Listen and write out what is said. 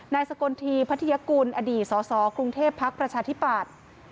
สกลทีพัทยากุลอดีตสสกรุงเทพภักดิ์ประชาธิปัตย์